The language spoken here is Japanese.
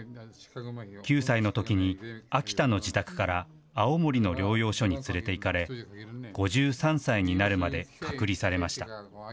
９歳のときに、秋田の自宅から青森の療養所に連れていかれ、５３歳になるまで隔離されました。